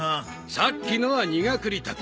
さっきのはニガクリタケ。